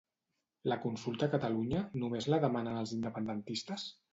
La consulta a Catalunya només la demanen els independentistes?